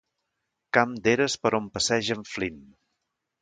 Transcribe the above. Camp d'eres per on passeja en Flynn.